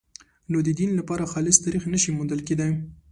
نو د دین لپاره خالص تاریخ نه شي موندل کېدای.